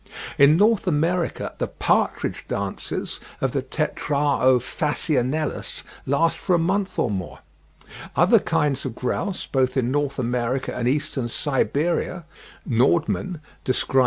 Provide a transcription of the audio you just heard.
In North America "the partridge dances" of the Tetrao phasianellus "last for a month or more." Other kinds of grouse, both in North America and Eastern Siberia (1. Nordman describes ('Bull. Soc.